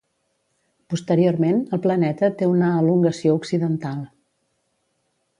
Posteriorment el planeta té una elongació occidental.